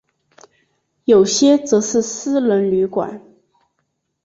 有些则是私人旅馆。